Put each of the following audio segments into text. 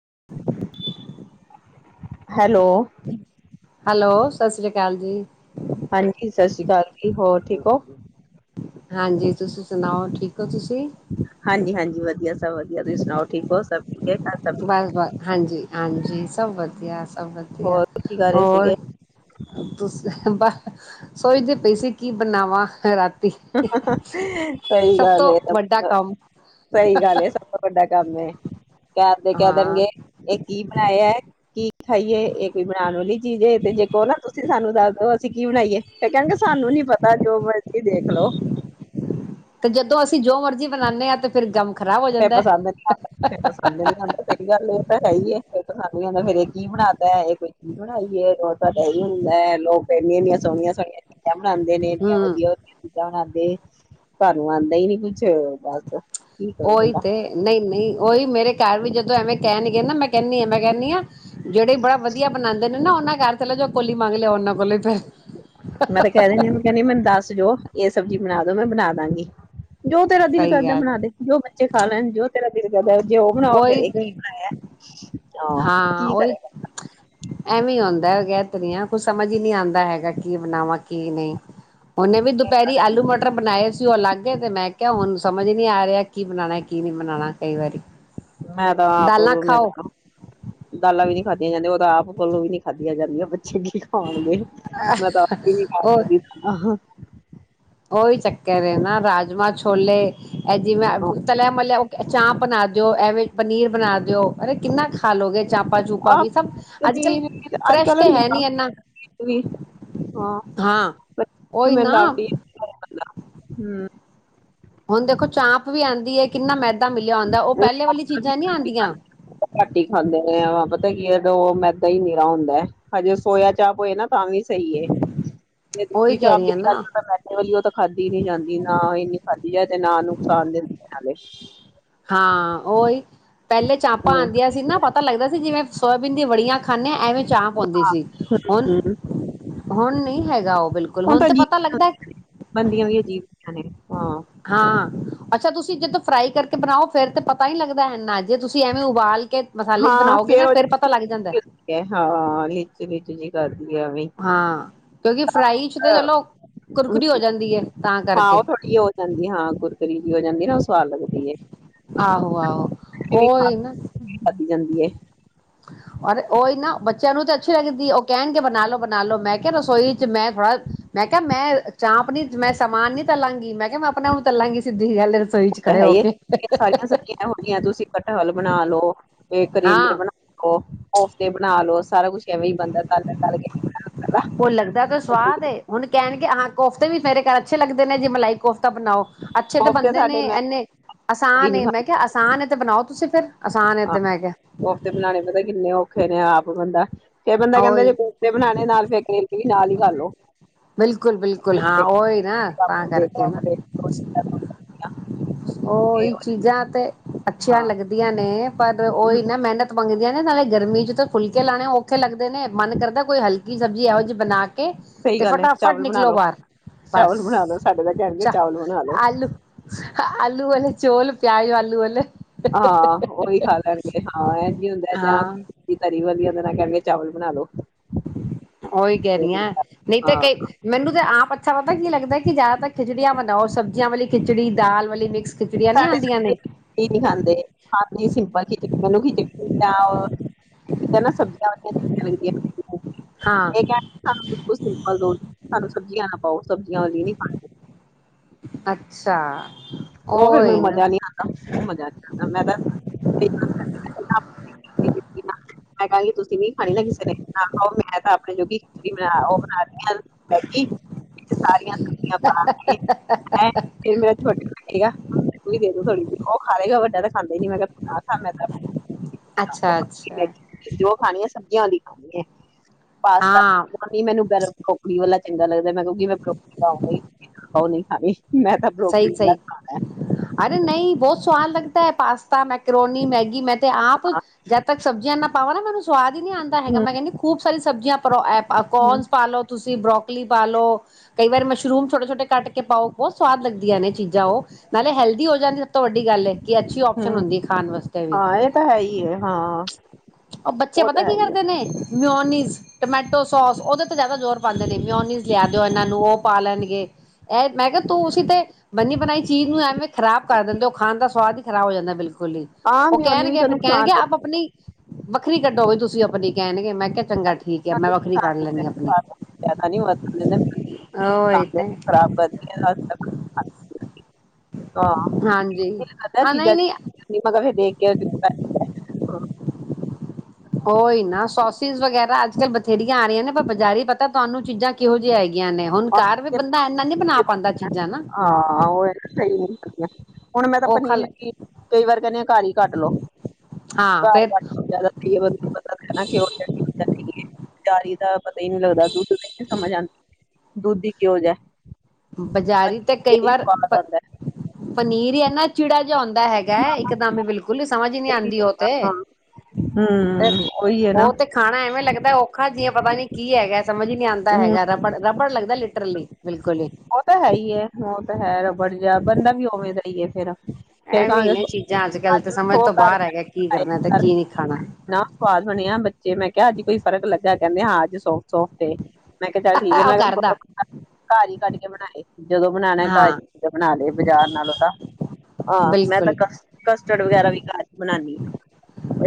[inaudible] [unintelligible] Hello hello ਸਤਿ ਸ਼੍ਰੀ ਅਕਾਲ ਜੀ ਹਾਂਜੀ ਸਤਿ ਸ਼੍ਰੀ ਅਕਾਲ ਜੀ ਹੋਰ ਠੀਕ ਹੋ ਹਾਂਜੀ ਤੁਸੀਂ ਸੁਣਾਓ ਠੀਕ ਹੋ ਤੁਸੀਂ ਹਾਂਜੀ ਹਾਂਜੀ ਵਧੀਆ ਸਭ ਵਧੀਆ ਤੁਸੀਂਣਾਓ ਠੀਕ ਹੋ ਸਭ ਠੀਕ ਹੈ ਘਰ ਸਭ ਠੀਕ ਬਸ ਬਸ ਹਾਂਜੀ ਹਾਂਜੀ ਜੀ ਸਭ ਵਧਆ ਸਭ ਵਧੀਆ ਹੋਰ ਕੀ ਕਰ ਰਹੇ ਹੋਰ ਸੀਗੇ ਤੁਸੀ ਅੱ ਸੋਚਦੀ ਪਈ ਸੀ ਕੀ ਬਣਾਵਾਾਂ ਰਾ ਸਹੀ ਗੱਲ ਤੋਂ ਏ, ਵੱਡਾ ਕੰਮ ਸਹੀ ਗੱਲ ਏ ਸਭ ਤੋਂ ਵੱਡਾ ਕੰਮ ਹੈ ਕਦੇ ਕਹਿ ਹਾਂ ਦੇਣਗੇ ਇਹ ਕੀ ਬਣਾਏ ਹੈ ਕੀ ਖਾਈਏ ਇਹ ਕੋਈ ਬਣਾਉਣ ਵਾਲੀ ਜੇ ਤੇ ਜੇ ਕੋੋ ਨਾ ਤੁਸੀਂ ਸਾਨੂੰ ਦੱਸ ਕੀ ਬਣਾਈਏ ਕਹਣ ਗੇ ਸਾਨੂੰ ਨੀ ਪਤਾ ਜੋ ਮਰਜ਼ ਦੇਖ ਲੋ ਤੇ ਜਦੋਂ ਅਸੀਂ ਜੋ ਮਰਜੀੀ ਬਣਾਉਂਦੇ ਹਾਂ ਤੇ ਫਿਰ ਗਮ ਖ਼ਰਾਬ ਹੋ ਜਾਂਦਾ ਪਸੰਦ ਨੀ ਆਂਦਾ ਪਸੰਦ ਨੀ ਆਉਂਦਾ ਸਹੀ ਗੱਲ ਹੈ ਆਈਏ ਫ ਪਸੰਦ ਨੀ ਹੁੰਦਾ ਫੇਿਰ ਇਹ ਕੀ ਬਣਾ ਤ ਇਹ ਬਣਾਈਏ ਰੋਜ਼ ਤਾਂ ਡਹੀ ਹੁੰਦਾ ਲੋਕ ਪਹਿੰਦੀ ਇਨੀਆਂ ਸੋਹਣੀਆਂ ਸੋਣੀਆਂ ਬਣਾਉਂਦੇ ਨੇ ਇੰੀਆਂ ਹਮ ਵਧੀਆ ਵਧੀਆ ਬਨਾਏਦੇ ਨਹੀਂ ਸਵੇਰ ਵਾਸਤੇ ਉਹੀ ਤੇ ਨਹੀਂ ਨਹੀਂ ਉਓਹੀ ਮੇਰੇ ਘਰ ਵੀ ਜਦੋਂ ਐਵੇਂ ਕਹਿਣਗੇ ਨਾ ਮੈਂ ਕਹਿੰਦੀ ਐ ਮੈਂ ਕਹਿੰਦੀ ਹਾਂ ਜਿਹੜੇ ਬੜਾ ਵਧੀਆ ਬਣਾਉਂਦੇ ਨੇ ਨਾ ਉਹਨਾਂ ਘਰ ਜੋ ਕੋਲੀ ਮਗਲੇ ਉਹਨ ਕੋਲ ਲੀ ਮੈਂ ਤੇ ਕਹਿ ਦੇਣੀ ਹ ਕਹਿੰਣੀ ਮੈਨੂੰ ਦੱਸ ਜੋ ਇਹ ਸਬਜ਼ੀ ਬਣਾ ਦੋ ਮੈਂ ਬਣਾ ਦਾਂਗੀ ਜੋ ਤੇਰਾ ਦਿਲ ਸਹੀ ਕਰਦਾ ਗੱਲ ਬਣਾ ਦੇ ਜੋ ਬੱਚੇ ਖਾ ਲੈਣ ਜੋ [unintelligible] ਜੇ ਉਹ ਬਣਾਓ ਫੇਰ ਉਹੀ ਇਹ ਕੀ ਤੇ ਬਣਾਇਆ। ਹਾਂ ਕੀ ਓਹੀ ਕਰੇਗਾ ਐਵੇ [unintelligible] ਕੁਛ ਸਮਝ ਹੀ ਨਹੀਂ ਆਉਂਦਾ ਹੈਗਾ ਕੀ ਬਣਾਵਾਂ ਕੀ ਨਹੀਂ ਹੁਣੇ ਵੀ ਦੁਪਹਿਰੀ ਆਲੂ ਮਟਰ ਬਣਾਏ ਸੀ ਉਹ ਲੱਗ ਗਏ ਤੇ ਮੈਂ ਕਿਹਾ ਹੁਣ ਸਮਝ ਨੀ ਆ ਰਿਹਾ ਕੀ ਬਣਾਉਣਾ ਕੀ ਨੀ ਬਣਾਉਣਾ ਕਈ ਵਾਰੀ ਮੈਂ ਤਾਂ ਆਪ ਦਾਲਾਂ ਖਾਓ ਮੇਰੇ ਦਾਲਾਂ ਵੀ ਨੀ ਖਾਦੀਆਂ ਜਾਂਦੀਆਂ ਉਹ ਤਾਂ ਆਪ ਕੋਲੋਂ ਵੀ ਨੀ ਖਾਦੀਆਂ ਜਾਂਦੀਆਂ। [unintelligible] ਖਾਣਗੇ ਮੈਂ ਤਾਂ ਉਹ ਆਪ [inaudible] ਉਹੀ ਚੱਕਰ ਹੈ ਨਾ ਰਾਜਮਾਂ, ਛੋਲੇ ਇਹ ਜਿਵੇਂ ਤਲਿਆ ਮਲਿਆ ਚਾਪ ਬਣਾ ਦਿਓ, ਇਹਵੇ ਪਨੀਰ ਬਣਾ ਦਿਓ ਅਰੇ ਕਿੰਨਾ ਖਾ ਲਓਗੇ ਚਾਪ ਪਾ ਚੂਪਾ ਆ ਵੀ ਸਭ ਅੱਜ ਕੱਲ ਪਨੀਰ ਅੱਜ ਫਰੈਸ਼ ਕੱਲ ਤੇ ਹੈ ਨੀ ਮਿਲਾਵਟੀ ਇਨਾ ਵੀ ਹਾਂ ਉਹੀ ਨਾ। ਹਮ ਹੁਣ ਦੇਖੋ ਚਾਂਪ ਵੀ ਆਉਂਦੀ ਹੈ ਕਿੰਨਾ ਮੈ ਮਿਲਿਆ ਹੁੰਦਾ ਉਹ ਪਹਿਲੇ ਵਾਲੀ ਚੀਜ਼ਾਂ ਨੀ ਆਦੀਆਂ। ਘੱਟ ਹੀ ਖਾਂਦੇ ਨੇ [inaudible] ਪਤਾ ਕੀ ਉਦੋਂ ਮੈਦਾ ਹੀ ਨੀਰਾ ਹੁੰਦਾ ਹਜੇ ਸੋਇਆ ਚਾਪ ਹੋਏ ਨਾ ਤਾਂ ਵੀ ਸਹੀ ਐ ਉਹੀ ਦੂਜੀ ਕਹਿ ਚਾਪ ਰਹੀ ਆ ਜੇ ਨਾ ਤਾਂ ਮੈਦੇ ਵਾਲੀ ਉਹ ਤਾਂ ਖਾਦੀ ਨੀ ਜਾਂਦੀ ਨਾ ਇਨੀ ਖਾਦੀ ਜਾਏ ਤੇ ਨਾ ਨੁਕਸਾਨ [inaudible] ਹਾਂ ਓਹੀ। ਪਹਿਲੇ ਚਾਪਾਂ ਹੂੰ ਆਦੀਆਂ ਸੀ ਨਾ ਪਤਾ ਲੱਗਦਾ ਸੀ ਜਿਵੇਂ ਸੋਇਆਬੀਨ ਦੀ ਬੜੀਆਂ ਖਾਂਦੇ ਹ ਐਵੇਂ ਚਾਹ ਪਾਉਂਦੀ ਸੀ ਹੁਣ, ਹੂੰ ਹੁਣ ਨਹੀਂ ਹੈਗਾ ਉਹ ਬਿਲਕੁਲ ਹੁਣ ਤਾਂ ਤੇ ਪਤਾ ਅਜੀਬ ਲੱਗਦਾ ਬਣਦੀਆਂ ਵੀ ਅਜੀਬ ਨੇ ਹਾਂ ਹਾਂ ਅੱਛਾ ਤੁਸੀਂ ਜਦੋਂ ਫਰਾਈ ਕਰਕੇ ਬਣਾਓ ਫੇਰ ਤੇ ਪਤਾ ਨੀ ਲੱਗਦਾ ਇਨਾ ਜੇ ਤੁਸੀਂ ਐਵੇਂ ਉਬਾਲ ਕੇ ਮਸਾਲੇ ਚ ਹਾਂ ਬਣਾਓਗੇ ਫੇਰ ਨਾ ਉਹ ਫਿਰ ਪਤਾ ਲੱਗ ਜਾਂਦਾ। ਹੈ ਹਾਂ [unintelligible] ਹਾਂ ਕਿਉਂਕਿ ਫਰਾਈ ਚ ਤੇ ਚਲੋ ਕੁਰਕੁਰੀ ਹੋ ਜਾਂਦੀ ਹੈ ਤਾਂ ਕਰਕੇ। ਕੁਰਕੁਰੀ ਜੀ ਹੋ ਜਾਂਦੀ ਨਾ। ਸਵਾਦ ਲੱਗਦੀ ਹੈ ਆਹੋ ਆਹੋ [inaudible] ਉਹੀ ਨਾ ਖਾਦੀ ਜਾਂਦੀ [unintelligible] ਔਰ ਉਹੀ ਨਾ ਬੱਚਿਆਂ ਨੂੰ ਤਾਂ ਅੱਛੀ ਲੱਗਦੀ ਉਹ ਕਹਿਣਗੇ ਬਣਾਲੋ ਬਣਾਲੋ ਮੈਂ ਕਿਹਾ ਰਸੋਈ ਚ ਮੈਂ ਥੋੜਾ ਮੈਂ ਕਿਹਾ ਮੈਂ ਚਾਪ ਨੀ ਮੈਂ ਸਮਾਨ ਨੀ ਤੱਲਾਂਗੀ ਮੈਂ ਕਿਹਾ ਮੈਂ ਆਪਣਾ ਨੂੰ ਤੱਲਾਂਗੀ ਸਿੱਧੀ ਗੱਲ ਰਸੋਈ ਚ ਖੜੇ ਹੋ ਹੈ ਕੇ ਸਾਰੀਆਂ ਸਬਜ਼ੀਆਂ ਇਹੋ ਜਿਹੀਆਂ ਤੁਸੀਂ ਦਾਲ ਬਣਾ ਲੋ ਕਰੇਲੇ ਹਾਂ ਬਣਾ ਲਓ ਕੋਫਤੇ ਬਣਾ ਲੋ ਸਾਰਾ ਕੁਛ ਐਵੇਂ ਹੀ ਬਣਦਾ ਤਲ-ਤਲ ਕੇ ਉਹ ਲੱਗਦਾ ਤੇ ਸਵਾਦ ਏ ਹੁਣ ਕਹਿਣਗੇ ਆ ਕੋਫਤੇ ਵੀ ਮੇਰੇ ਘਰ ਅੱਛੇ ਲੱਗਦੇ ਨੇ ਜੇ ਮਲਾਈ ਕੋਫਤਾ ਬਣਾਓ ਅੱਛੇ ਤੇ ਕੋਫਤੇ ਬੰਦੇ ਸਾਡੇ ਨੇ ਮੈਂ ਇੰਨੇ ਆਸਾਨ ਏ ਮੈਂ ਕਿਹਾ ਆਸਾਨ ਏ ਤੇ ਬਣਾਓ ਤੁਸੀਂ ਫਿਰ ਆਸਾਨ ਏ ਆਹੋ ਤੇ ਮੈਂ ਕਿਹਾ ਕੋਫਤੇ ਬਣਾਣੇ ਪਤਾ ਕਿੰਨੇ ਓਖ ਨੇ ਆਪ ਬੰਦਾ ਫਿਰ ਬੰਦਾ ਕਹਿੰਦਾ ਜੇ ਉਹੀ ਕੁਫਤੇ ਬਣਾਉਣੇ ਨਾਲ ਫ਼ਿਰ ਕਰੇਲੇ ਵੀ ਨਾਲ ਹੀ [unintelligible] ਬਿਲਕੁਲ ਬਿਲਕੁਲ ਹਾਂ ਉਹੀ ਨਾ ਤਾਂ ਕਰਕੇ ਨਾ ਇਹ ਉਹੀ ਹੋ- ਚੀਜ਼ਾਂ ਤੇ ਅੱਛੀਆਂ ਹਾਂ ਲੱਗਦੀਆਂ ਨੇ [unintelligible] ਪਰ ਉਹ ਹੂੰ ਇਨਾ ਮਿਹਨਤ ਮੰਗਦੀਆਂ ਨੇ ਨਾਲੇ ਗਰਮੀ ਚ ਤਾਂ ਫੁਲਕੇ ਲਾਉਣੇ ਔਖੇ ਲੱਗਦੇ ਨੇ ਮਨ ਕਰਦਾ ਕੋਈ ਹਲਕੀ ਸਬਜ਼ੀ ਇਹੋ ਜਿਹੀ ਬਣਾ ਕੇ ਸਹੀ ਤੇ ਗੱਲ ਹੈ ਫਟਾਫਟ ਚਾਵਲ ਬਣਾ ਨਿਕਲੋ ਲੋ ਬਾਹਰ ਬਸ ਚਾਵਲ ਬਣਾ ਲੋ ਸਾਡੇ ਦਾ ਕਹਿਣਗੇ ਚ ਚਾਵਲ ਬਣਾ ਲੋ ਆਲੂ ਆਲੂ ਵਾਲ ਚੋਲ ਪਿਆਜ ਆਲੂ ਵਾਲੇ ਹਾਂ ਉਹੀ ਖਾ ਲੈਣਗੇ ਹਾਂ ਹੁੰਦਾ ਜਾਂ ਹਾਂ ਤਰੀ ਵਾਲੀਆ ਕਰਕੇ ਚਾਵਲ ਬਣਾ ਲੋ ਓਹੀ ਕਹਿ ਰਹੀ ਆ ਨਹੀਂ ਤੇ ਹਾਂ ਕਈ ਮੈਨੂੰ ਤੇ ਆਪ ਅੱਛਾ ਪਤਾ ਕੀ ਲੱਗਦਾ ਕਿ ਜਿਆਦਾਤਰ ਖਿਚੜੀਆਂ ਬਣਾਓ ਸਬਜ਼ੀਆਂ ਵਾਲੀ ਖਿਚੜੀ ਦਾਲ ਵਾਲੀ ਮਿਕਸ ਖਿਚੜੀਆਂ ਨਹੀਂ ਸਾਡੇ ਆਉਂਦੀਆਂ ਨੇ ਨਹੀਂ ਖਾਂਦੇ [unintelligible] ਇੱਕ ਹਾਂ ਬਿਲਕੁਲ ਸਿੰਪਲ ਦੋ ਸਾਨੂੰ ਸਬਜ਼ੀਆਂ ਨਾ ਪਾਓ ਸਬਜ਼ੀਆਂ ਵਾਲੀ ਨਹੀਂ ਖਾਣੀ ਅੱਛਾ ਉਹ ਫਿਰ ਉਹੀ ਮੈਨੂੰ ਨਾ ਮਜ਼ਾ ਨਹੀਂ ਆਉਦਾ ਉਹ ਮਜ਼ਾ ਨਹੀਂਦਾ ਮੈਂ ਤਾਂ ਮੈਂ ਕਹਾਂਗੀ ਤੁਸੀਂ ਨ ਖਾਣੀ ਨਾ ਕਿਸੇ ਨੇ ਨਾ ਖਾਓ ਮੈਂ ਤਾਂ ਆਪਣੇ ਜੋ ਖਿਚ ਉਹ ਬਣਾ ਸਾਰੀਆਂ [unintelligible] [unintelligible] ਇਹਗਾ ਦੇ ਦ ਥੋੜੀ ਜ ਉਹ ਖਾਗਾ ਵੱਡਾ ਤਾਂ ਖਾਂਦੇ ਨੀ ਮੈਂ ਕਿਹਾ ਖਾਂ ਮੈਂ ਤਾਂ ਅੱਛਾ-ਅੱਛਾ। ਮੈਗੀ ਜੋ ਖਾਣੀ ਹੈ ਸਬਜ਼ੀਆਂ ਵਾਲੀ ਖਾਣੀ ਹੈ ਪਾਸਤਾ ਹਾਂ ਮੈਨੂੰ ਗਰਮ ਖੋਕੜੀ ਵਾਲਾ ਚੰਗਾ ਲੱਗਦਾ ਮੈਂ ਕਿਉਂਕਿ ਮੈਂ ਉਹ ਖਾਉਗੀ ਰੋਟੀ ਨੀ ਖਾਨੀ ਮੈਂ ਤਾਂ ਸਹੀ ਬਰੋਕਲੀ ਸਹੀ ਖਾਣਾ ਅਰੇ ਨਹੀਂ ਬਹੁਤ ਸਵਾਦ ਲੱਗਦਾ ਏ। ਪਾਸਤਾ ਮੈਕਰੋਨੀ ਮੈਗੀ ਮੈਂ ਤੇ ਆਪ ਜਦ ਤੱਕ ਸਬਜ਼ੀਆਂ ਨਾ ਪਾਵਣਾ ਮੈਨੂੰ ਸੁ ਸਵਾਦ ਇ ਨੀ ਆਦਾ ਹੈਗਾ ਹੂੰ ਮੈਂ ਕੇਹਿ ਦੀ ਖੂਬ ਸਾਰੀ ਸਬ ਸਬਜ਼ੀਆਂ ਉਪਰੋ ਦੀ ਏ ਪਾ ਹੂੰ ਕੋਰਨਸ ਨਾ ਲਓ ਤੁਸੀਂ ਬਰੋਕ ਲੀ ਪਾਲ ਲੋ ਕਈ ਵਾਰੀ ਮਸ਼ਰੂਮ ਛੋਟੇ-ਛੋਟੇ ਕੱਟ ਪਾਓ ਬੋਤ ਸਵਾਦ ਲੱਗਦੀਆਂ ਨੇ ਚੀਜ਼ਾਂ ਉਹ ਨਾਲੇ ਹੈਲਦੀ ਹੋ ਜਾਂਦੀ ਤੋਂ ਵੱਡੀ ਗੱਲ ਹੈ ਕਿ ਅੱਛੀ ਔਪਸ਼ਨ ਹੂੰ ਹੁੰਦੀ ਖਾਣ ਵਾਸਤੇ ਵੀ। ਹਾਂ ਇਹ ਤਾਂ ਹੈ ਹੀ ਹੈ ਹਾਂ ਉਹ ਬੱਚੇ ਪਤਾ ਤਾਂ ਹੈ ਕੀ ਹੀ ਹੈ ਕਰਦੇ ਨੇ ਮਿਓਨੀਜ਼, ਟਮੈਟੋ ਸੋਸ ਉਹਦੇ ਤੇ ਜ਼ਿਆਦਾ ਜ਼ੋਰ ਪਾਦੇ ਨੇ ਮਿਓਨੀਜ਼ ਲਿਆ ਦਿਓ ਇਹਨਾਂ ਨੂੰ ਉਹ ਪਾ ਲੈਣਗੇ। ਇਹ ਮੈਂ ਕਿਹਾ ਤੂੰ ਤੇ ਬੰਨੀ ਬਣਾਈ ਚੀਜ਼ ਨੂੰ ਐਵੇਂ ਖ਼ਰਾਬ ਕਰ ਦਿੰਦੇ ਉਹ ਖਾਣ ਦਾ ਸਵਾਦ ਹੀ ਖਰਾਬ ਹੋ ਜਾਂਦਾ ਬਿਲਕੁਲ ਗੁਲੀ, ਉਹ ਆਮ ਹੀ ਉਹਨੇ ਵੀ ਕਹਿਣਗੇ ਤਾਂ ਫਿਰ ਨੁਕਸਾਨ ਕਹਿਣਗੇ ਆਪ ਆਪਣੀ ਵੱਖਰੀ ਕੱਢੋ ਵੀ ਤੁਸੀਂ ਆਪਣੇ ਕਹਿਣਗੇ ਮੈਂ ਕਿਹਾ ਚੰਗਾ ਠੀਕ ਆ। ਮੈਂ ਵੱਖਰੀ ਕਰ ਲੈਣੀ ਆਪਣੀ ਜ਼ਿਆਦਾ ਨੀ ਵਰਤਣ ਦਿੰਦੇ ਹੋਰ ਸਾਹਮਣੇ ਏਦਾਂ ਖਰਾਬ [unintelligible] ਹਾਂਜੀ ਆ [unintelligible] ਨਹੀਂ ਨਹੀਂ [unintelligible] ਉਹੀ ਨਾ ਸੋਸਿਸ ਵਗੈਰਾ ਅੱਜ ਕੱਲ ਬੱਚ ਜੇਡੀਆਂ ਆ ਰਹੀਆਂ ਨੇ ਆਪਾ ਬਜ਼ਾਰੀ ਬ ਤਾਂ ਤੁਹਾਨੂੰ ਚੀਜ਼ਾਂ ਕਿਹੋ ਜਿਆਂ ਹੈਗੀਆਂ ਨੇ ਹੁਣ ਘਰ ਵੀ ਬੰਦਾ ਇਨਾ ਨੀ ਬਣਾ ਪਾਉਂਦਾ ਚੀਜ਼ਾਂ ਨਾ ਹਾਂ ਉਹ ਸਹੀ ਹੁਣ ਮੈਂ ਤਾਂ ਔਖਾ ਪਨੀਰ ਲੱਗ ਕਈ ਵਾਰ ਕਹਿੰਦੀ ਆ ਘਰ ਹੀ ਕੱਢ ਲੋਓ ਹਾਂ ਘਰ ਫੇਰ ਕੱਢ ਪਤਾ ਕਿ ਤਾਰੀ ਤਾਂ ਪਤਾ ਹੀ ਨੀ ਲੱਗਦਾ। ਦੁੱਧ ਦਹੀਂ ਦੀ ਸਮਝ ਨੀ ਆਦਾ। ਦੁੱਧ ਦੀ ਕਿ ਹੋ ਜਿਆ। ਬਾਜ਼ਾਰੀ ਤੇ ਕਈ ਵਾਰ ਪ ਆਉਂਦਾ ਹੈ ਪਨੀਰ ਹੀ ਏਨਾ ਚਿੜਾ ਸਮਝ ਆਉਂਦਾ ਹੈਗਾ ਇੱਕਦਮ ਬਿਲਕੁਲ ਸਮਝ ਨੀ ਆਉਂਦੀ ਉਹ ਤੇ ਹਮ ਤੇ ਉਹੀ ਹੈ ਨਾ ਉਹ ਤੇ ਖਾਣਾ ਐਵੇਂ ਲੱਗਦਾ ਔਖਾ ਜਿ ਪਤਾ ਨੀ ਕੀ ਹੈਗਾ ਸਮਝ ਹੀ ਨੀ ਆਉਂਦਾ ਹਮ ਹੈਗਾ ਰਬੜ ਰਬੜ ਲੱਗਦਾ ਲ ਬਿਲਕੁਲ ਹੀ ਉਹ ਤਾਂ ਹੈ ਹੀ ਹੈਲਪ [unintelligible] ਜਾ ਬੰਦਾ ਵੀ ਉਵੇਂ ਦਾ ਏ ਇਹ ਫਿਰ ਅ ਫੇਰ ਐਵੇਂ ਕਹਾਂਗੇ ਅੱਜ ਨੇ ਚੀਜ਼ਾਂ ਅੱਜ ਕੱਲ ਤੇ ਸਮਝ ਤੋਂ [unintelligible] ਘਰ ਬਾਹਰ ਹੈਗਾ ਕੀ ਬਣਾਏ ਕਰਨਾ ਤੇ ਕੀ ਨਹੀਂ ਖਾਣਾ ਐਨਾ ਸਵਾਦ ਬਣਿਆ ਬੱਚੇ ਮੈਂ ਕਿਹਾ ਅੱਜ ਕੋਈ ਫਰਕ ਲੱਗਾ, ਕਹਿੰਦੇ ਹ ਅਜ ਸੋਫਟ ਏ, ਮੈਂ ਕਿਹਾ ਚੱਲ ਠੀਕ ਹੈ ਉਹ ਮੈਂ ਕਿਹਾ ਕਰਦਾ ਬਾਰੀਕ ਕਟ ਕੇ ਬਣਾਏ ਜਦੋਂ ਬਣਾਉਣਾ ਏ ਘਰ ਹਾਂ ਜਾ ਕੇ ਬਣਾ ਲਏ ਬਜ਼ਾਰ ਨਾਲੋਂ ਤਾਂ ਹਾਂ ਮੈਂ ਤਾਂ ਬਿਲਕੁਲ ਕ ਕਸਟਰਡ ਵਗੈਰਾ ਵੀ ਘਰ ਹੀ ਬਣਅ ਉਹਣਾੀ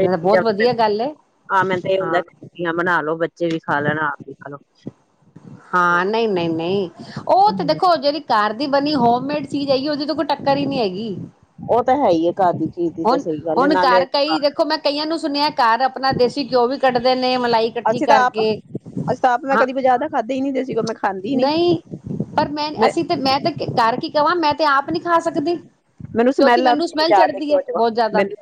ਹਾ ਬਹੁਤ ਚੀਜ਼ਾਂ ਵਧੀਆ ਗੱਲ ਹੈ ਆਾਂ, ਮੈਨ ਤਾਂ ਇਹ ਹੁੰਦਾ ਹਾਂ ਸਬਜੀਆਂ ਬਣਾ ਲੋੋ ਬੱਚੇ ਬੱਚੇ ਵੀ ਖਾ ਲੈਣਾ ਆਪ ਵੀ ਖਾ ਲੋ ਹਾਂ ਨਹੀਂ ਨਹੀਂ ਨਹੀਂ ਉਹ ਤੇ ਹਾਂ ਦੇਖੋ ਜਿਹੜੀ ਕਾਰ ਦੀ ਬਣੀ ਹੋਮੇਡ ਚੀਜ਼ ਹੈਗੀ ਉਹਦੀ ਤੋਂ ਕੋਈ ਟੱਕਰ ਨ ਨਹੀਂ ਹੈਗੀ ਉਹ ਤਾਂ ਹੈ ਹੀ ਘਰ ਦੀ ਚੀਜ਼ ਦੀ ਤਾਂ ਹੁਣ ਸਹੀ ਗੱਲ ਹੈ ਹੁਣ ਨਾਲੇ ਘਰ ਕਈ ਦੇਖੋ ਮੈਂ ਕਈਆਂ ਨੂੰ ਸੁਣਿਆ ਘਰ ਆਪਣਾ ਦੇਸੀ ਘਿਓ ਵੀ ਕੱਢਦੇ ਨੇ ਮਲਾਈ ਇਕੱਠੀ ਅਸੀਂ ਤਾਂ ਆਪ ਕਰਕੇ ਅਸੀਂ ਤਾਂ ਆਪ ਮੈਂ ਹਾਂ ਕਦੀ ਬਾਜ਼ਾਰ ਦਾ ਖਾਧਾ ਹੀ ਨੀ ਦੇਸੀ ਘਿਓ ਮੈਂ ਖਾਂਦੀ ਹੀ ਨੀ ਨਹੀਂ ਪਰ ਮੈਂ ਅਸੀਂ ਤੇ ਮੈਂ ਤਾਂ ਘਰ ਕੀ ਕਾਂ ਮੈਂ ਤੇ ਆਪ ਨੀ ਖਾ ਸਕਦੀ ਮੈਨੂੰ ਕਿਉਂਕਿ ਸਮੈਲ ਆਉਂਦੀ ਮੈਨੂੰ ਹੈ ਸਮੈਲ ਬਜਾਰ ਦੇ ਚੜ੍ਹਦੀ ਹੈ ਘਿਉਓ ਚੋ ਬਹੁਤ ਜ਼ਿਆਦਾ ਮੈਨੂੰ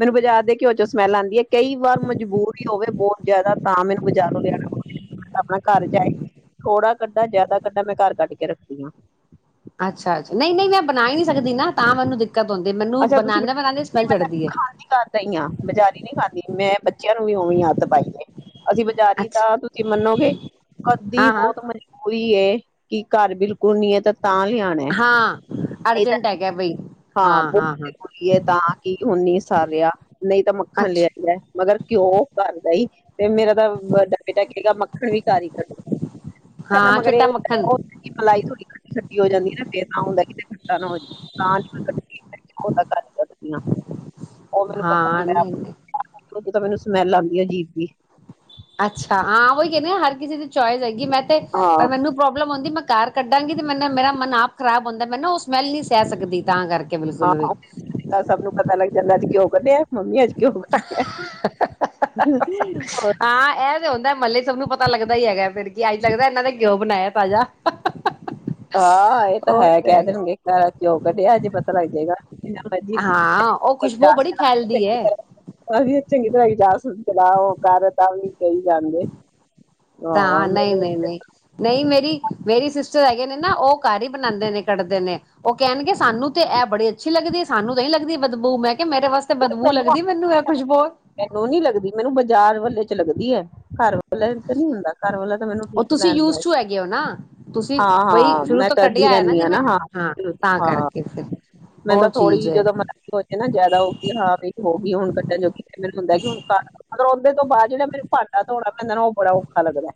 ਮੈਨੂੰ ਬਜਾ ਦੇ ਘਿਓ ਚੋ ਸਮੈਲ ਆਉਂਦੀ ਹੈ ਕਈ ਵਾਰ ਮਜਬੂਰੀ ਹੋਵੇ ਬਹੁਤ ਜਿਆਦਾ ਤਾਂ ਮੈਨੂੰ ਬਾਜ਼ਾਰੋਂ ਲਿਆਣਾ ਪੈਣਾ ਆਪਣਾ ਘਰ ਜਾਏ ਥੋੜਾ ਕੱਢਾ ਜਿਆਦਾ ਕੱਢਾ ਮੈਂ ਘਰ ਕੱਢ ਕੇ ਰੱਖਦੀ ਹਾਂ ਅੱਛਾ ਅੱਛਾ ਨਹੀਂ ਨਹੀਂ ਮੈਂ ਬਣਾਈ ਨਹੀਂ ਸਕਦੀ ਨਾ ਤਾਂ ਮੈਨੂੰ ਦੇਖ ਅੱਛਾ ਤੁਸੀਂ ਹੈ ਖਾਂਦੀ ਘਰ ਦਾ ਹੀ ਆ ਬਜ਼ਾਰੀ ਨਹੀਂੀ ਖਾਂਦੀ ਮੈਂ ਬੱਚਿਆਂ ਨੂੰ ਵੀ ਉਵੇਂ ਹੀ ਆਫਟਰ ਪਾਈ ਏ ਅਸੀਂ ਬਜ਼ਾਰੀ ਅੱਛਾ ਤਾਂ ਤੁਸੀਂ ਮੰਨੋ ਗੇ ਕੱਦੀ ਹਾਂ ਹਾਂ ਬਹੁਤ ਮਜਬੂਰੀ ਏ ਕਿ ਘਰ ਬਿਲਕੁਲ ਨੀ ਐ ਤਾਂ ਤਾਂ ਲਿਆਣਾ ਹਾਂ ਅਰਜੈਂਟ ਹੈਗਾ ਬਈ ਹਾਂ-ਹਾਂ, ਲੀਏ ਤਾਂ ਕਿ ਹੁਣ ਨੀ ਸਰਿਆ ਨਹੀਂ ਤਾਂ ਮੱਖਣ ਅੱਛਾ ਲਿਆਦਾ ਮਗਰ ਘਿਓ ਕਰਦਾ ਹੀ ਤੇ ਮੇਰਾ ਤਾਂ ਵੱਡਾ ਬੇਟਾ ਕਹੇਗਾ, ਮੱਖਣ ਵੀ ਘਰ ਹੀ ਕੱਢੋ ਮੱਖਣ ਦਾ ਹਾਂ ਮਗਰ ਇਹ ਚਿੱਟਾ ਮੱਖਣ ਉਹ ਮਲਾਈ ਥੋੜੀ ਖੱਟੀ-ਖੱਟੀ ਹੋ ਜਾਂਦੀ ਹੈ ਨਾ ਫੇਰ ਤਾਂ ਹੁੰਦਾ ਕਿ ਖੱਟਾ ਨਾ ਹੋਜੇ ਤਾਂ ਦਾ ਘਰ ਹੀ ਕੱਢਦੀ ਹਾਂ ਹਾਂ ਨਹੀਂ, ਉਦੇ ਚ ਤਾਂ ਮੈਨੂੰ ਸਮੈਲ ਆਦੀ ਆ ਅਜੀਬ ਜੀ, ਅੱਛਾ ਹਾਂ ਉਹੀ ਕਹਿੰਦੇ ਆ ਹਰ ਕਿਸੇ ਦੀ ਚੋਇਸ ਹੈਗੀ ਮੈਂ ਤੇ ਹਾਂ ਪਰ ਮੈਨੂੰ ਪ੍ਰੋਬਲਮ ਆਦੀ ਮੈਂ ਕਾਰ ਕੱਢਾਂਗੀ ਤੇ ਮੈਨੂੰ ਮੇਰਾ ਮਨ ਆਪ ਖਰਾਬ ਹੁੰਦਾ ਮੈ ਨਾ ਉਸ ਸਮੈਲ ਨੀ ਸਹਿ ਸਕਦੀ ਤਾਂ ਕਰਕੇ ਬਿਲਕੁਲ ਵੀ ਘਿਉ ਕੱਢਿਆ ਮੰਮੀ ਅੱਜ ਘਿਓ ਕੱਢਿਆ ਹਾਂ, ਇਹ ਤੇ ਹੁੰਦਾ ਮਹੱਲੇ ਸਭ ਨੂੰ ਪਤਾ ਲੱਗਦਾ ਹੀ ਹੈਗਾ ਫਿਰ ਕੀ ਅੱਜ ਲੱਗਦਾ, ਇਹਨਾਂ ਦੇ ਕਿਉ? ਬਣਾਇਆ ਤਾਜ਼ਾ ਹਾਂ, ਇਹ ਤਾਂ ਉਹ ਹੈ ਤੇ ਕਹਿ ਹੈਗਾ ਦੇਣਗੇ ਘਰ ਘਿਉ ਕੱਢਿਆ ਜੇ ਪਤਾ ਲੱਗ ਜਾਏਗਾ। ਜਿੰਨਾ ਮਰਜੀ ਹਾਂ, ਉਹ ਖੁਸ਼ਬੂ ਇਜਾਜ਼ ਬੜੀ ਚਲਾ ਫੈਲਦੀ ਚੰਗੀ ਹੈ। ਤਰ੍ਹਾਂ ਅਸੀਂ ਚੰਗੀ ਤਰ੍ਹਾਂ ਹੀ ਜਾ ਸੁਣ ਚਲਾ ਉਹ ਕਰ ਤਾਂ ਵੀ ਕਹੀ ਜਾਂਦੇ। ਹਾਂ ਤਾਂ ਮੈਨੂੰ ਨਹੀਂ-ਨਹੀਂ-ਨਹੀਂ-ਨਹੀਂ, ਮੇਰੀ-ਮੇਰੀ ਸੀ। ਹੈਗੇ ਨੇ ਨਾ ਉਹ ਘਰ ਹੀ ਬਣਾਦੇ ਨੇ ਕੱਢਦੇ ਨੇ ਉਹ ਕਹਿਣਗੇ ਸਾਨੂੰ ਤੇ ਇਹ ਬੜੀ ਅੱਛੀ ਲੱਗਦੀ ਸਾਨੂੰ ਤਾਂ ਹੀ ਲੱਗਦੀ ਬਦਬੂ ਮੈਂ ਕਿਹਾ ਮੇਰੇ ਵਾਸਤੇ ਬਦਬੂ ਲੱਗਦੀ ਮੈਨੂੰ ਇਹ ਖੁਸ਼ਬੋ ਮੈਨੂੰ ਨੀ ਲੱਗਦੀ ਮੈਨੂੰ ਬਾਜ਼ਾਰ ਵਾ ਚ ਲੱਗਦੀ ਹੈ। ਘਰ ਵਾਲਾ ਤੇ ਨੀ ਹੁੰਦਾ ਘਰ ਵਾਲਾ ਤਾਂ ਮੈਨੂੰ ਉਹ ਠੀਕ ਤੁਸੀਂ ਲੈਂਦਾ ਯੂਜ ਐ, ਟੂ ਹੈਗੇ ਹੋ ਨਾ ਤੁਸੀਂ ਬਈ ਹਾਂ ਸ਼ੁਰੂ ਮੈਂ ਤੋਂ ਕਰਦੀ ਕੱਢਿਆ ਹੈ ਰਹਿੰਦੀ ਹਾਂ ਜਿਵੇਂ ਨਾ ਹਾਂ ਤਾਂ ਹਾਂ-ਹਾਂ, ਕਰਕੇ ਫਿਰ ਮੈਂ ਉਹ ਤਾਂ ਚੀਜ਼ ਥੋੜ੍ਹੀ ਹੈ ਜਦੋਂ ਮਖਨੀ ਹੋਜੇ ਨਾ ਜਿਆਦਾ ਔ ਹਾਂ ਬਈ ਹੋ ਗਈ ਹੁਣ ਕੱਢਣ ਜੋਗੀ ਕਿ ਮੈਨੂੰ ਹੁੰਦਾ ਕਿ ਹੁਣ ਮਤਲਬ ਔ ਬਾਦ ਨਾ ਜਿਹੜਾ ਮੈਨੂੰ ਭਾਡਾ ਧੋਣਾ। ਪੈਂਦਾ ਨਾ ਉਹ ਬੜਾ ਔਖਾ ਲੱਗਦਾ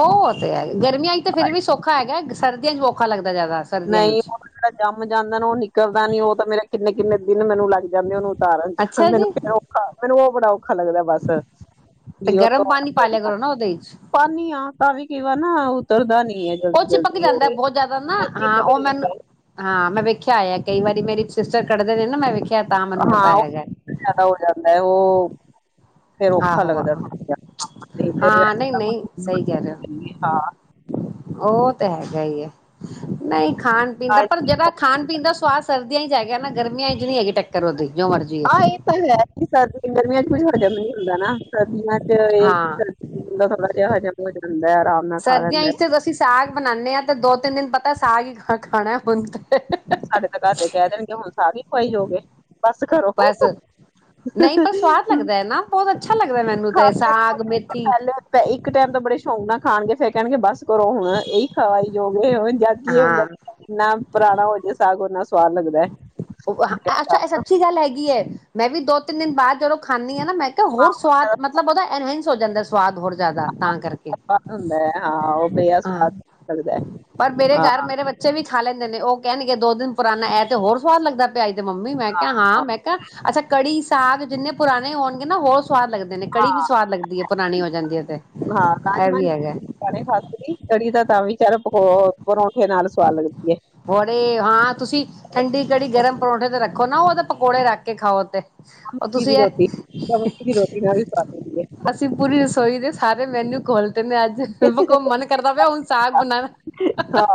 ਉਹ ਤੇ ਹੈ ਗਰਮੀਆਂ ਚ ਤਾਂ ਫਿਰ ਵੀ ਸੌਖਾ ਹੈਗਾ ਸਰ ਦੀਆ ਚ ਔਖਾ ਲੱਗਦਾ, ਜ਼ਿਆਦਾ ਸਰਦੀਆਂ ਨਹੀਂ ਚ ਉਹ ਤਾਂ ਜਿਹੜਾ ਜੰਮ ਜਾਂਦਾ ਨਾ ਉਹ ਨਿਕਲਦਾ ਨੀ ਉਹ ਤਾਂ ਮੇਰਾ ਕਿੰਨੇ-ਕਿੰਨੇ, ਦਿਨ ਮੈਨੁੰ ਲੱਗ ਜਾਂਦੇ ਐ ਉਹਨੂੰ ਤਾਰਨ ਚ ਅੱਛਾ ਜੀ ਮੈਨੂੰ ਔਖਾ ਮੈਨੂੰ ਉਹ ਬਣਾ ਔਖਾ ਲੱਗਦਾ ਬਸ ਤੇ ਕੀ ਉਹ ਗਰਮ ਧੋਣਾ ਪਾਣੀ ਪਾ ਕਰਨਾ ਲਿਆ ਕਰੋ ਬਸ ਨਾ ਉਹਦੇ ਚ ਪਾਨੀ ਆ ਤਾਂ ਵੀ ਕਈ ਵਾਰ ਨਾ ਉਤਰਦਾ ਨੀ ਹੈ, ਉਹ ਚਿਪਕ ਜਲਦੀ-ਜਲਦੀ ਔ ਜਾਂਦਾ ਏ ਬਹੁਤ ਜ਼ਿਆਦਾ ਨਾ ਹਾਂ ਉਹ ਮੈਨੂੰ ਹਾਂ। ਮੈਂ ਵਖ ਆਇ ਕਈ ਵਾਰੀ ਮੇਰੀ ਸਿਸਟਰ ਦੇ ਨੇ ਨਾ ਮੈਂ ਵਖ ਹਾਂ ਉਹ ਜ਼ਿਆਦਾ ਹੋ ਜਾਂਦਾ ਹੈ ਉਹ ਫੇਰ ਔਖਾ ਆਹੋ ਲੱਗਦਾ ਆਹੋ ਨਹੀਂ ਤੇ ਹਾਂ ਵੈਸੇ ਨਹੀਂ ਨਹੀਂ ਸਹੀ ਕਹਿ ਤਾਂ ਰਹੇ ਉਹ ਤੇ ਹੈਗਾ ਹੀ ਹੈ ਨਹੀਂ ਖਾਣ ਪੀਣ ਦਾ ਹਾਂ ਪਰ ਜਿਹੜਾ ਖਾਣ ਪੀਣ ਦਾ ਸਵਾਦ ਸਰਦੀਆਂ ਚ ਹੈਗਾ ਨਾ ਗਰਮੀਆਂ ਚ ਨਹੀ ਹੈਗੀ ਟੱਕਰ ਉਹਦੀ ਜੋ ਮਰਜੀ ਹਾਂ ਇਹ ਤਾਂ ਹੈ ਸਰਦੀ ਗਰਮੀਆਂ ਚ ਕੁਝ ਹਜ਼ਮ ਨ ਹੁੰਦਾ ਨਾ ਸਰਦੀਆਂ ਫ ਇਹ ਹਾਂ ਕਰ ਹੁੰਦਾ ਥੋੜਾ ਜਿਹਾ ਹਜ਼ਮ ਹੋ ਜਾਂਦਾ ਹੈ ਆਰਾਮ ਨਾਲ ਖਾ ਲੈਂਦਾ ਹੈ ਿੰਨ ਦਿਨ ਪਤਾ ਸਾ ਖਾਣਾ ਬੁੰਦਾ ਸਾਡੇ ਤਾਂ ਘਰ ਦੇ ਕਹਿ ਦੇਣਗੇ ਹੁਣ ਸਾਰੇ ਖਈ ਹੋ ਗਏ ਬਸ ਨਹੀਂ ਪਰ ਸਵਾਦ ਲੱਗਦਾ ਹੈ ਨਾ ਬਹੁਤ ਅੱਛਾ ਲੱਗਦਾ ਮੈਨੂੰ ਖਾ ਤੇ ਸਾਗ ਮੇਥੀ ਪਹਿ ਇੱਕ ਟਾਈਮ ਤੋਂ ਬੜੇ ਸ਼ੌਕ ਨਾ ਖਾਣਗੇ ਫੈ ਕਹਿਣਗੇ ਬੱਸ ਕਰੋ ਹੁਣ ਇਹੀ ਖਾਵਾਈ ਯੋਗ ਜਾਕ ਇਹ ਹੁੰਦਾ ਹਾਂ ਇੰਨਾ ਪੁਰਾਣਾ ਹੋ ਜਾੇ ਸਾਗ ਓਨਾ ਸਵਾਦ ਲੱਗਦਾ ਅੱਛਾ ਇਹ ਸਵਾਦ ਸੱਚੀ ਗੱਲ ਹੈਗੀ ਹੈ ਮੈਂ ਵੀ ਦੋ ਤਿੰਨ ਦਿਨ ਬਾਅਦ ਜਦੋਂ ਖਦਾ ਨਾ ਮੈਂ ਕਿਹਾ ਹੋਰ ਸਵਾਦ ਮਤਲਬ ਉਹਦਾ ਐਨਵਿੰਸ ਹੋ ਜਾਂਦਾ ਸਵਾਦ ਹੋਰ ਜ਼ਿਆਦਾ ਤਾਂ ਕਰਕੇ ਹੁੰਦਾ ਹੈ ਹਾਂ ਉਹ ਬੇਆ ਹਾਂ ਸਵਾਦ ਲੱਗਦਾ ਪਰ ਮੇਰੇ ਹਾਂ ਘਰ ਮੇਰੇ ਬੱਚੇ ਵੀ ਖਾ ਲੈਂਦੇ ਨੇ ਉਹ ਕਹਿਣਗੇ ਦੋ ਦਿਨ ਪੁਰਾਾਨਣਾ ਇਹ ਤੇ ਹੋਰ ਸਵਾਦ ਲਗ ਪਿਆ ਜੀ ਮੰਮੀ ਮੈਂ ਕਿਹਾ ਹਾਂ ਮੈਂ ਕਿਹਾ ਅੱਛਾ ਕੜੀ ਸਾਗ ਜਿੰਨੇ ਪੁਰਾਣੇ ਹੋਣਗੇ ਨਾ ਹੋਰ ਸਵਾਦ ਲੱਗਦੇ ਨੇ ਕੜੀ ਵੀ ਸਵਾਦ ਲੱਗਦੀ ਹੈ ਪੁਰਾਣੀ ਹੋ ਜਾਂਦੀ ਹੈ ਤੇ ਹਾਂ ਇਹ ਰਾਜਮਾਂ ਵੀ ਨੀ ਹੈਗਾ ਚਰ ਪਕ ਬੋਂ ਬੜੇ ਹਾਂ ਤੁਸੀਂ ਠੰਡੀ ਕੜੀ ਗਰਮ ਪਰੌਂਠੇ ਤੇ ਰੱਖ ਦੇਖੋ ਨਾ ਉਹਦੇ ਪਕੌੜੇ ਰੱਖ ਕੇ ਖਾਓ ਤੇ ਉਹ ਮੱਕੀ ਦੀ ਤੁਸੀਂ ਰੋਟੀ ਇਹ ਮੱਕੀ ਦੀ ਰੋਟੀ ਨਾਲ ਵੀ ਸਵਾਦ ਲੱਗਦੀ ਹੈ। ਅਸੀਂ ਪੂਰੀ ਰਸੋਈ ਦੇ ਸਾਰੇ ਮੈਨੂ ਕੋਲ ਅੱਜ ਮਨ ਕਰਦਾ ਪਿਆ ਹੁਣ ਸਾਗ ਬਣਾਣਾ ਹ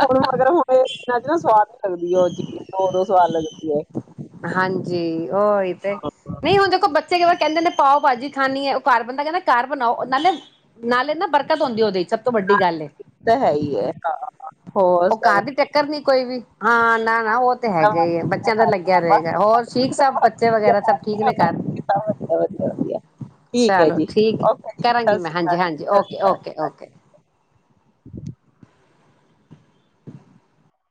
ਹੁਣ ਮਗ ਹੁਣ ਦਿਨਾਂ ਚ ਨਾ ਸਵਾਦ ਲੱਗਦੀ ਹੈ ਉਹ ਚੀਜ਼ ਦੋ ਦੋ ਸਵਾਦ ਲੱਗਦੀ ਹੈ ਹਾਂਜੀ ਉਹਹੀ ਤੇ ਨਹੀਂ ਹੁਣ ਦੇਖੋ ਬੱਚੇ ਕਹਿੰਦੇ ਨੇ ਪਾਓ ਭਾਜੀ ਖਾਣੀ ਹੈ ਉਹ ਕਾਰਬਨ ਦਾ ਕਹਿੰਦਾ ਕਾਰਬਨ ਆਓ ਨਾਲੇ ਨਾਲੇ ਨਾ ਬਰਕਤ ਹੁੰਦੀ ਉਹਦੇ ਸਭ ਤੋਂ ਹਾਂ ਵੱਡੀ ਗੱਲ ਏ ਤਾਂ ਹੈ ਹੀ ਹੈ ਹੋ ਉਹ ਘਰ ਦੀ ਟੱਕਰ ਨੀ ਕੋਈ ਵੀ ਹਾਂ ਨਾ ਨਾ ਉਹ ਤੇ ਹੈਗਾ ਹੀ ਆ ਬੱਚਿਆਂ ਦਾ ਲੱਗ ਹੋਰ ਠੀਕ ਸਭ ਬੱਚੇ ਵਗੈਰਾ ਸਭ ਠੀਕ ਨੇ ਘਰ ਵਧੀਆ ਵਧੀਆ ਠੀਕ ਹੈ ਚਲੋ ਜੀ ਠੀਕ ਓਕੇ ਜੀ ਕਰਾਂਗੀ ਸਤਿ ਮੈਂ ਸ਼੍ਰੀ ਹਾਂਜੀ ਅਕਾਲ ਜੀ ਹਾਂਜੀ ਸਤਿ ਸ਼੍ਰੀ ਓਕੇ ਓਕੇ ਅਕਾਲ ਓਕੇ